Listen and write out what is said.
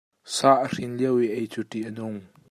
Sa a hrin lio i ei cu ṭih a nung.